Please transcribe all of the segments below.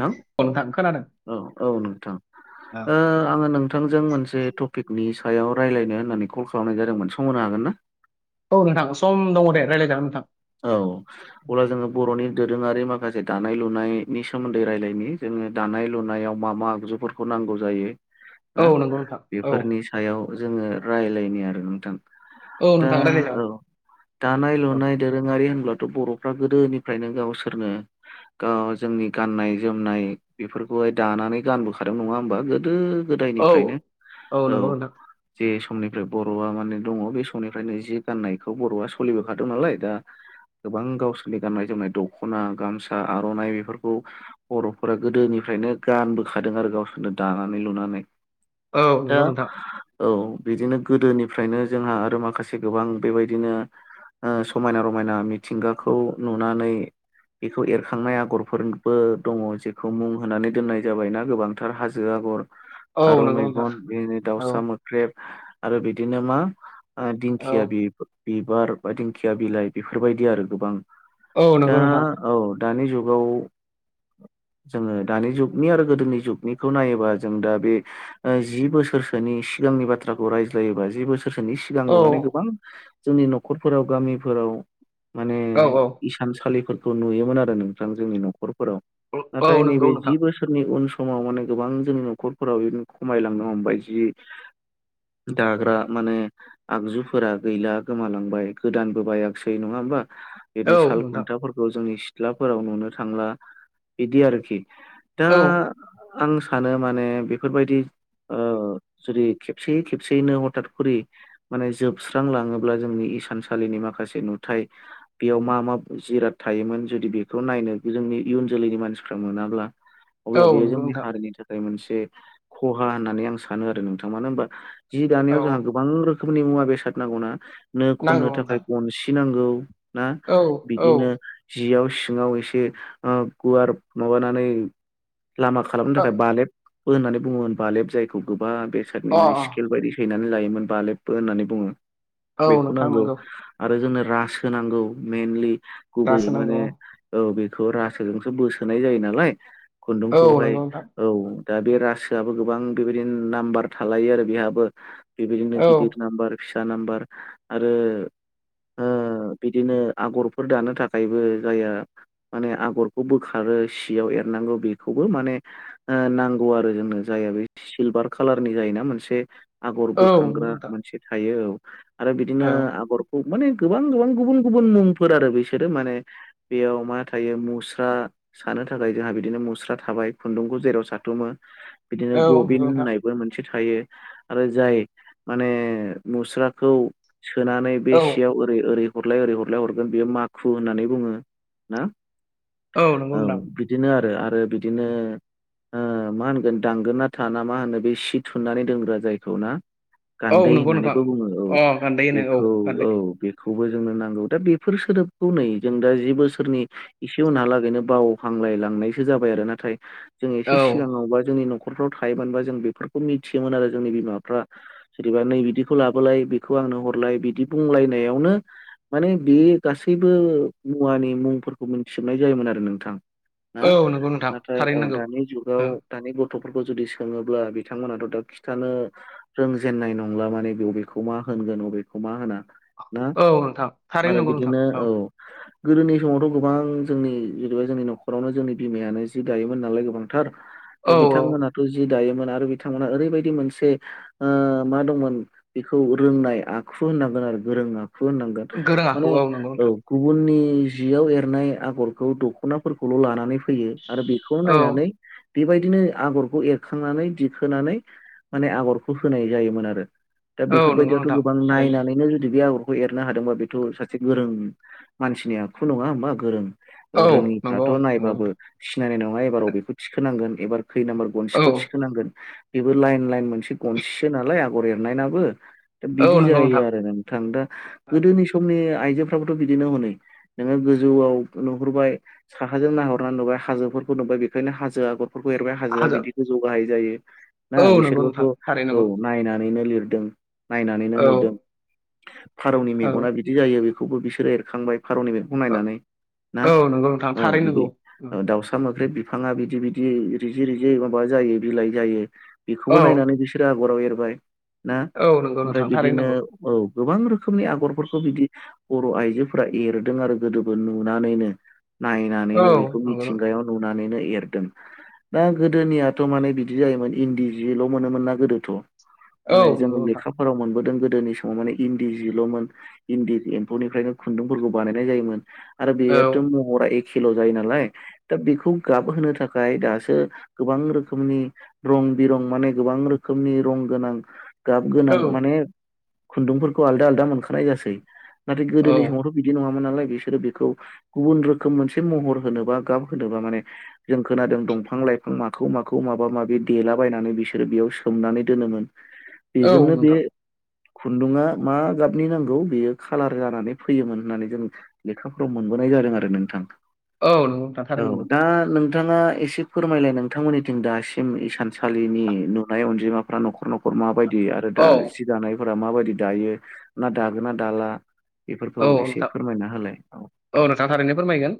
नोंथां औ नोंथां खोनादों औ औ नोंथां आङो नोंथांजों मोनसे टपिक नि सायाव रायलायनो होननानै कल खालामनाय जादोंमोन समहोनो हागोन ना? औ नोंथां सम दङ दे रायलायजागोन नोंथां। औ अब्ला जोङो बर'नि दोरोङारि मा खासे दानाय लुनायनि सोमोन्दै रायजलायनि जोङो दानाय लुनायाव मा मा आगजुफोरखौ नांगौ जायो। ना औ नंगौ नोंथां औ बेफोरनि सायाव जोङो रायलायनि आरो नोंथां। औ दा नोंथां औ रायज्लायजागोन दानाय औ लुनाय दोरोङारि होनब्लाथ' बर'फ्रा गोदोनिफ्रायनो गावसोरनो गाव जोंनि गाननाय जोमनाय बेफोरखौहाय दानानै गानबोखादों नङा होमबा गोदो औ गोदायनिफ्रायनो नंगौ औ नोंथां जे समनिफ्राय बर'आ माने दङ बे समनिफ्रायनो जि गाननायखौ बर'आ सोलिबोखादों नालाय दा गोबां गावसोरनि गाननाय जोमनाय दख'ना गामसा आर'नाइ बेफोरखौ बर'फोरा गोदोनिफ्राय गोदोनिफ्रायनो गानबोखादों आरो गावसोरनो दानानै लुनानै। औ दा नंगौ नोंथां। औ बिदिनो गोदोनिफ्रायनो जोंहा आरो माखासे गोबां बेबायदिनो ओ समायना रमायना मिथिंगाखौ नुनानै बेखौ एरखांनाय आगरफोरबो दङ जेखौ मुं होनानै दोननाय जाबायना गोबांथार हाजो आगर औ फारौ नंगौ नोंथां मेगन बिनो औ दाउसा मोख्रेब आरो बिदिनो मा औ दिंखिया बिबार बा दिंखिया बिलाइ बेफोरबायदि आरो गोबां। औ दा नंगौ नोंथां औ दानि जुगाव जोङो दानि जुगनि आरो गोदोनि जुगनिखौ नायोबा जों दा बे जि बोसोरसोनि सिगांनि बाथ्राखौ रायज्लायोब्ला जि बोसोर सोर सोरनि औ सिगांबो माने गोबां जोंनि न'खरफोराव गामिफोराव माने औ औ इसानसालिफोरखौ नुयोमोन आरो नोंथां जोंनि न'खर औ नाथाय नंगौ नैबे नोंथां जि बोसोरनि उन समाव माने गोबां जोंनि न'खरफोराव बिदिनो खमायलांनो हमबाय जि दाग्रा माने आगजुफोरा गैला गोमालांबाय। गोदानबो बायाखसै नङा होमबा बिदिनो औ साल नोंथां खुन्थाफोरखौ जोंनि सिथ्लाफोराव नुनो थांला बिदि आरोखि। दा औ आं सानो माने बेफोरबायदि जुदि खेबसेै खेबसेैनो हथत खरि माने जोबस्रां लाङोब्ला जोंनि इसान माखासे नुथाय बेयाव मा मा मुवा थायोमोन जुदि बेखौ नायनो जों जोलैनि मानसिफ्रा मोनाब्ला औ अब्ला बेयो नंगौ जोंनि नोंथां हारिनि थाखाय मोनसे खहा होननानै आं सानो आरो नोंथां मानो होमबा जि औ दानायाव जोंहा गोबां रोखोम- -नि मुवा बेसाद नांगौ ना नो खननो नांगौ थाखाय नोंथां सि नांगौ ना औ औ बिदिनो जियाव सिङाव एसे गुवार माबानानै लामा खालामनो अ थाखाय बालेबबो होननानै बुङोमोन बालेब जायखौ गोब बा बेसादनि अ माने स्केल बायदि सैनानै लायोमोन बाालेबबो होननानै बुङो औ बेखौ नोंथां नांगौ मोनगौ आरो जोंनो राज होनांगौ मेइेनलि गुबैयै दासो नांगौ माने औ बे थ' रासो जोंसो बोसोनाय जायो नालाय औ खुन्दुंखौहाय नंगौ नोंथां औ दा बे रासोआबो गोबां बेबायदिनो नाम्बार थालायो आरो बेहाबो बेबायदिनो औ गिदिर नाम्बार फिसा नाम्बार आरो ओ ओ बिदिनो आगरफोर दानो थाखायबो जाया माने आगरखौ बोखारो सियाव एरनांगौ बेखौबो माने ओ नांगौ आरो जोंनो जाय- जायो बे सिलभार खालारनि जायोना मोनसे आगर औ नंगौ बोखांग्रा नोंथां मोनसे थायो औ आरो औ बिदिनो आगर माने गोबां गोबां गुबुन गुबुन मुंफोर आरो बिसोरो माने बेयाव मा थायो मुस्रा सानो थाखाय जोंहा बिदिनो मुस्रा थाबाय खुन्दुंखौ जेराव साथुमो बिदिनो औ गबिन नंगौ नोंथां होननायबो मोनसे बो थायो आरो जाय माने मुस्राखौ सोनानै- औ एसेयाव ओरै ओरै हरलाय ओरै हरलाय हरगोन बेयो माखु होननानै बुङो ना नंगौ औ नोंथां बिदिनो आरो आरो बिदिनो ओ मा होनगोन दांगोन ना थाना मा होनो बे सि थुननानै दोनग्रा जायखौ ना औ गान्दै नंगौ नोंथां होननानैबो बुङो औ अ गान्दै होनो औ बेखौ गान्दै औ बेखौबो जोंनो नांगौ दा बेफोर सोदोबखौ नै जों दा जि बोसोरनि इसे उनहालागैनो बाव हांलाय लांनायसो जाबाय आरो नाथाय जों एसे औ सिगाङावबा जोंनि न'ख- खरफ्राव थायोमोनबा जों बेफोरखौ मिथियोमोन आरो जोंनि बिमाफ्रा जेनेबा नै बिदिखौ लाबोलाय बेखौ आं नो हरलाय बिदि बुंलायनायावनो माने बे गासैबो मुवानि मुंफोरखौ मिथिजोबनाय जायोमोन आरो नोंथां औ ह' नंगौ नोंथां नाथाय थारैनो अ नंगौ दानि जुगाव औ दानिबो गथ'फोरखौ जुदि सोङोब्ला बिथांमोनाथ' दा खिथानो रोंजेननाय नंला माने बेेखौ मा होनो होनगोन अबेखौ मा होना ना औ नोंथां थारैनो आरो नंगौ नोंथां बिदिनो औ गोदोनि समावथ' गोबां जोंनि जेनेबा जोंनि न'खरावनो जोंनि बिमायानो जि दायोमोन नालाय गोबांथार दा औ औ बिथांमोनाथ' जि दायोमोन आरो बिथांमोना ओरैबायदि मोनसे ओ मा दंमोन बेखौ रोंनाय आखु होननांगोन आरो गोरों आखु होननांगोन गोरों आखु माने नंगौ औ नोंथां गुबुननि जियाव एरनाय आगरखौ दख'नाफोरखौल' लानानै फैयो आरो बेखौ औ नायनानै बेबायदिनो आगरखौ एरखांनानै दिखोनानै माने आगरखौ होनाय जायोमोन आरो दा औ नंगौ बेफोरबायदियावथ' नोंथां गोबां थारैनो नायनानैनो जुदि- बिदि आगरखौ एरनो हादोंबा बेथ' सासे गोरों मानसिनि आखु नङा होमबा गोरों औ ओ नंगौ रोङिफ्राथ' नंगौ नायबाबो नोंथां सिनायनाय नङा एबार अबेखौ थिखोनांगोन एबार खै नाम्बार औ गनसिखौ थिखोनांगोन बेबो लाइन लाइन मोनसे गनसिसो नालाय आगर एरनायनाबो दा औ बिदि नंगौ जायो नोंथां आरो नों थां गोदोनि समनि आइजोफ्राबोथ' बिदिनो हनै नोङो गोजौआव नुहुरबाय साखाजों नाहरनानै नुबाय हाजोफोरखौ नुबाय बेखायनो हाजो आगरफोरखौ एरबाय हाजोआ हागोन बिदि गोजौ गाहाय जायो औ ना नंगौ बिसोरबोथ' नोंथां थारै नंगौ औ नायनानैनो लिरदों नायनानैनो औ नुदों फारौनि औ मेगना बिदि जायो बेखौबो बिसोरो एरखांबाय फारौनि मेगनखौ नायनानै ना औ नंगौ नोंथां औ थारै बिदि नंगौ दाउसा मोख्रेब बिफाङा बिदि बिदि रिजि रिजि माबा जायो बिलाइ जायो बेखौबो औ नायनानै बिसोरो गराव एरबाय ना औ नंगौ ओमफ्राय नोंथां थारैनो बिदिनो नंगौ औ गोबां रोखोमनि आगरफोरखौ बिदि बर' आइजोफोरा एरदों आरो गोदोबो नुनानैनो औ नायनानैनो बेखौ नंगौ नोंथां मिथिंगायाव नुनानैनो एरदों दा गोदोनियाथ' माने बिदि जायोमोन इन्दि जिल' मोनोमोन नना गोदोथ' औ माने जोङो नंगौ नोंथां लेखाफोराव मोनबोदों गोदोनि सम- फुङाव माने इन्दि जिल'मोन इन्दि एम्फौनिफ्रायनो खुन्दुंफोरखौ बानायनाय जायोमोन आरो बेयोथ औ महरा एखे खेल' जायो नालाय दा बेखौ गाबहोनो थाखाय दासो गोबां रोखोमनि रं बिरं माने गोबां रोखोमनि रं गोनां गाब गोनां औ माने खुन्दुंफोरखौ आलदा आलदा मोनखानाय जासै नाथाय गोदोनि औ समावथ' बिदि नङा नालाय बिसोरो बेखौ गुबुन रोखोम मोनसे महर होनोबा गाब होनोबा माने जों खोनादों दंफां लाइफां माखौ माखौ माबा माबि देलाबायनानै बिसोरो बेयाव सोमनानै दोनोमोन औ बेजोंनो बे नोंथां खुन्दुङआ मा गाबनि नांगौ बेयो खाालार जानानै फैयोमोन होननानै जों लेखाफ्राव मोनगोन नाय जादों आरो नोंथां औ नोंआव थाथारो नंगौ दा नोंथाङा एसे फोरमायलाय नोंथांमोननिथिं दासिम इसानसालिनि नुनाय अनजिमाफ्रा न'खर न'खर माबायदि बिदि आरो दा औ जि दानायफोरा माबायदि दायो ना दागोन ना दाला बेफोरखौ औ एसे नोंथां फोरमायना होलाय औ नोंथां थारैनो फोरमायगोन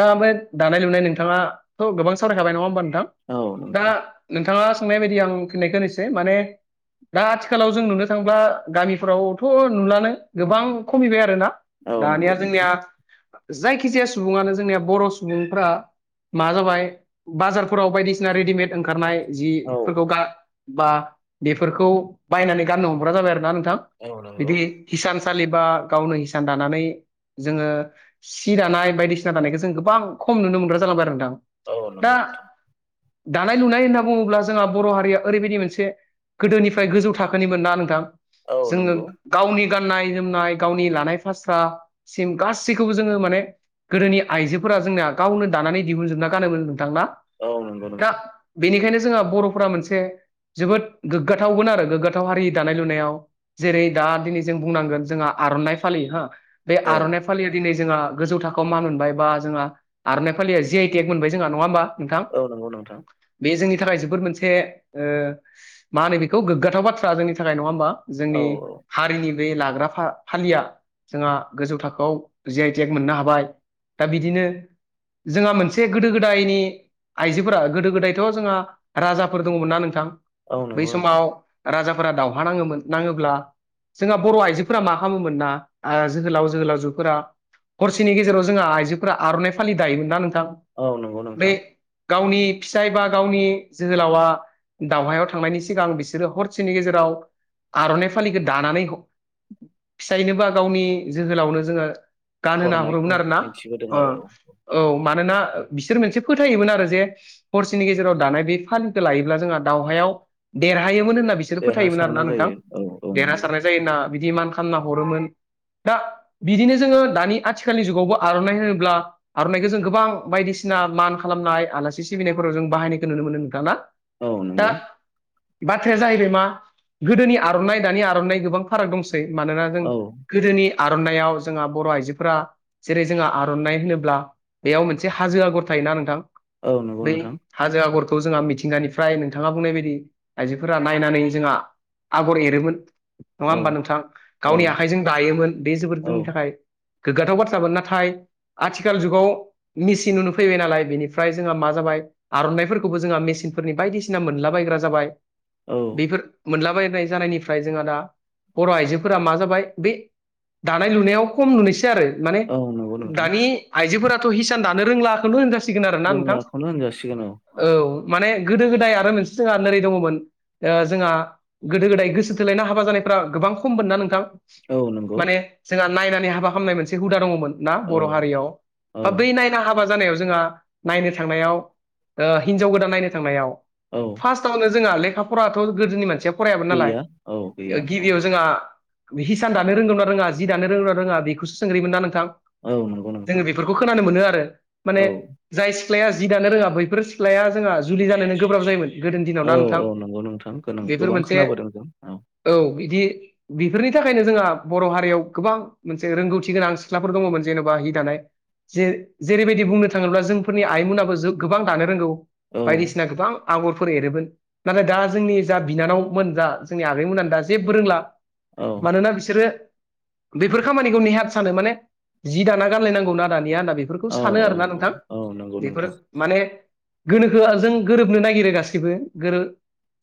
दा ओमफ्राय दानाय लुनाय नोंथाङााथ' गोबां सावरायखाब नङा होमबानो औ दा नोंथां नोंथाङा सोंनाय बायदि आं फिननायखौ होनोसै माने दा आथिखालाव जों नुनो थांब्ला गामिफ्रावथ' नुलानो गोबां खमिबाय आरोना औ नंगौ दानिया नोंथां जोंनिया जायखि जाया सुबुङानो जोंनिया बर' सुबुंफ्रा माबा जाबाय बाजारफोराव बायदिसिना रेडिमेड ओंखारनाय औ जिफोरखौ बा बेफोरखौ बायनानै गाननो हमग्रा जाबाय आरोना औ नंगौ बिदि हिसानसालिबा गावनो हिसान दानानै जोङो सि दानाय बायदिसिना दानायखौ जों गोबां खम नुनो मोनग्रा जालांबाय आरो नोंथां औ नंगौ दा नोंथां दानाय लुनाय होनना बुङोब्ला जोंहा बर' हारिया ओरैबायदि मोनसे‌ गोदोनिफ्राय गोजौ थाखोनिमोन ना नोंथां औ जोङो नंगौ गावनि गाननाय जोमनाय गावनि लानाय फास्रासिम गासैखौबो जोङो माने गोदोनि आइजोफोरा जोंनाया गावनो दानानै दिहुनजोबना गानोमोन नोंथांना औ नंगौ नोंथां जोंहा बर'फोरा मोनसे जोबोद गोग्गाथावगोन आरो गोग्गाथाव हारि दानाय लुनायाव जेरै दा दिनै जों बुंनांगोन जोंहा आर'नाइ फालि हो बे औ आर'नाइ फालिया दिनै जोंहा गोजौ थाखोआव मा मोनबाय बा जोंहा आरो नेखाालि ज आइ क मोनबाय जोंहा नङा होमबा नोंथां औ नंगौ नोंथां बे जोंनि नि थाखाय जोबोद मोनसे मा होनो बेखौ गोग्गाथाव बाथ्रा जोंनि थाखाय नङा होमबा औ जोंनि औ हारिनि बे लाग्रा फालिया जोंहा गोजौ थाखोआव जे आइ थेक मोननो हाबाय दा बिदिनो जोंहा मोनसे गोदो गोदायनि आइजोफोरा गोदो गोदायथ' जोंहा राजाफोर दङमोन ना नोंथां औ बै नंगौ नोंथां समाव राजाफोरा दावहा नाङोमोन नाङोब्ला जोंहा बर' आइजोफोरा मा खालामामोमोन ना जोहोलाव जोहोलावजोफोरा हरसेनि गेजेराव जोंहा आइजोफोरा आर'नाइ फालि दायोमोन ना नोंथ औ नंगौ नोंथां गावनि फिसाय बा गावनि जोहोलावा दावहायाव थांनायनि सिगां बिसोरो हरसेनि गेजेराव आर'नाइ फालिखौ दानानै फिसायनो बा गावनि जोहोलावनो जोङो गानहा हरनायखौ हरोमोन आरो ना मिथिबोदों आरो औ औ मानोना बिसोर मोनसे फोथायोमोन आरो जे हरसेनि गेजेराव दानाय बे फालिखौ लायोब्ला जोंहा दावहायाव देरहायोमोन होनना बिसोरो फोथायोमोन आरोना देरहासारनाय नोंथां जायो औ औ नंगौ देरहासारनाय जायो होनना बिदि मान खालामना हरोमोन दा बिदिनो जोङो दानि आथिखालनि जुगावबो आर'नाइ होनोब्ला आर'नाइखौ जों गोबां बायदिसिना सिना मान खालामनाय आलासि सिबिनायफोराव जों बाहायनायखौ नुनो मोनदों नोंथाङा औ नंगौ बाथ्राया जाहैबाय मा गोदोनि आर'नाइ दानि आर'नाइ गोबां फाराग दंसै मानोना जों औ गोदोनि आर'नायाव जोंहा बर' आइजोफोरा जेरै जोंहा आर'नाइ होनोब्ला बेयाव मोनसे हाजो आगर थायो ना नोंथां औ नंगौ बै नोंथां हाजो आगर खौ जोंहा मिथिंगानिफ्राय नोंथाङा बुंनाय बायदि आइजोफोरा नायनानै जोंहा आगर एरोमोन नङा औ होमबा नोंथाङा औ गावनि आखाइजों दायोमोन बे जोबोर औ जोंनि थाखाय गोग्गाथाव बाथ्रामोन नाथाय आथिखाल जुगाव मेचन नुनो फैबाय नालाय बेनिफ्राय जोंहा मा ज जाबाय आर'नाइफोरखौबो जोंहा मेसिनफोरनि बायदिसिना मोनलाबायग्रा जाबाय औ बेफोर मोनलाबायनाय जानायनिफ्राय जोंहा दा बर' आइजोफोरा मा जाबाय बे दानाय लुनायाव खम नुनोसै आरो माने औ नंगौ नोंथां दानि आइजोफोराथ' हिसान दानो रोंलाखौनो होन आरोना नोंथां औ माने गोदो गोदाय आरो मोनसे जोंहा नोरै दङमोन जोंहा गोदो गोदाय गोसो थोलायनाय हाबा जानाय गोबां खममोन ना नोंथां औ नंगौ माने जोंहा नायनानै हाबा खालामनाय मोनसे हुदा दङमोन ना औ बर' हारियाव औ बा बै नायना हाबा जों नायनो थांनायाव ओ हिजाव गोदान नायनो थांनायाव औ फास्तावनो जोंहा लेखाफोराथ' गोदोनि मानसिया फरायामोन नालाय गैया औ गैया औ गिबियाव जोंहा हिसान दानो रोंगौ ना रोङा जि दानो रोंगौ ना रोङा बेखौसो सोंग्रोयोमोन ना नोंथां औ नंगौ नोंथां जोङो बेफोरखौ खोनानो मोनो आरो माने औ जाय सिख्लाया जि दानो रोङा बैफोर सिख्लाया जोंहा जुलि जानोनो गोब्राब जायोमोन गोदोनि दिनाव औ ना नोंथां औ नंगौ नोंथां बेफोर गोबां मोनसे खोनाबोदों जों औ औ बिदि बेफोरनि थाखायनो जोंहा बर' हारियाव गोबां मोनसे रोंगौथि गोनां सिख्लाफोर दङ जेनेबा हि दानाय जेरैबायदि बुंनो थाङोब्ला जोंफोरनि आइमोनाबो गोबां दानो रोंगौ औ बायदिसिना गोबां आगरफोर एरोमोन नाथाय दा जोंनि जा बिनानावमोन जा जोंनि आ दा जेबो रोंला औ मानोना बिसोरो बेफोर खामानिखौ नेहाथ सानो माने जि दाना गानलायनांगौ ना दानिया बेफोरखौ सानो औ आरोना औ नोंथां औ नंगौ बे नोंथां माने गोनोखो जों गोरोबनो नागिरो गासिबो गोरोब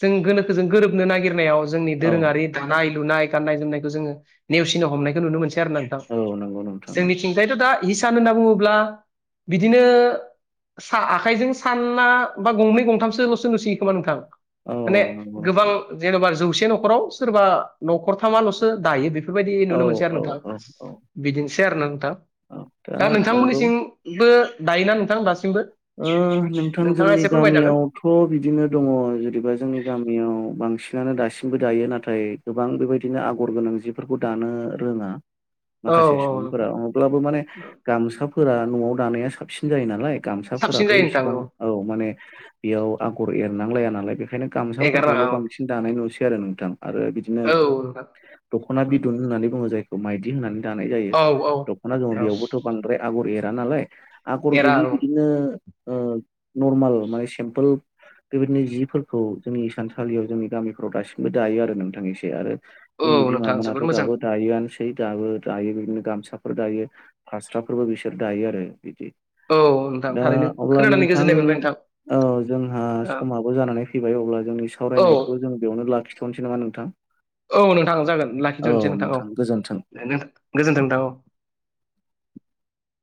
जों गोनोखो जों गोरोबनो नागिरनायाव जोंनि औ दोरोङारि दानाय लुनाय गान्नाय जोमनायखौ जोङो नेवसिनो हमनायखौ नुनो मोनसै आरो ना नोंथां औ नंगौ नोंथां औ जोंनिथिंजायथ' दा हिसान होनना बुङोब्ला बिदिनो। आखाइजों सानला बा गंनै गंथामसोल'सो नुसियो खोमा नोंथां [inaudible] औ माने नंगौ गोबां नोंथां जेन'बा जौसे न'खराव सोरबा न'खर थामाल'सो दायो बे बेफोरबायदि औ नुनो मोनसै आरो औ नोंथाब औ औ बिदिनोसै आरो ना नोंथाब औ दा नंगौ नोंथांमोननिसिमबो दायोना नोंथां दासिमबो नोंथां नोंथाङा जोंनि एसे फोरमायजागोन गामियावथ' बिदिनो दङ जेनेबा जोंनि गामियाव बांसिन बांसानानो दासिमबो दायो नाथाय गोबां बेबायदिनो आगर गोनां जिफोरखौ दानो रोङा औ माखासे सुबुंफोरा नोंथां अब्लाबो माने गामसाफोरा न'आव दानाया साबसिन जायो नालाय गाम साबसिन फोरथ' जायो नोंथां इसिबां औ माने बेयाव आगर एरनांलाया नालाय बे ओंखायनो एगारनाङा गामसाफोरखौल' औ बांसिन दानाय नुसै आरो नोंथां। आरो बिदिनो औ नोंथां दख'ना बिदुन होननानै बुङो जायखौ माइदि होननानै। दानाय जायो औ औ दख'ना जोङ औ बेयावबोथ' बांद्राय आगर एरा नालाय आगर एरा गैयि औ बिदिनो। नर्माल माने सिम्पोल। बेबायदिनो जिफोरखौ जोंनि सानसालियाव जोंनि गामिफ्राव दासिमबो दायो आरो नोंथां एसे आरो। औ जोंनि बिमा नोंथां मोनाथ' जोबोर मोजां दाबो दायोआनो। फ दाबो दायो बिदिनो गामसाफोर दायो फास्राफोरबो बिसोर दायो आरो बिदि। औ नोंथां दा थारैनो अब्ला खोनानानै नोंथां गोजोननाय मोनबाय नोंथां। औ जोंहा औ समाबो जानानै फैबाय अब्ला जोंनि सावरायनायखौबो जों बेयावनो। लाखिथ'नोसै नामा नोंथां। औ नोंथां जागोन लाखिथ'नोसै नोंथां औ गोजोन्थों नोंथां औ।